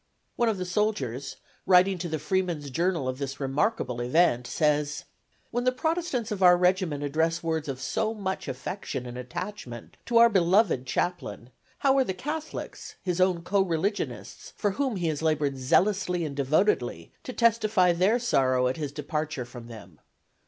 One of the soldiers, writing to the Freeman's Journal of this remarkable event, says: "When the Protestants of our regiment address words of so much affection and attachment to our beloved chaplain, how are the Catholics, his own co religionists, for whom he has labored zealously and devotedly, to testify their sorrow at his departure from them?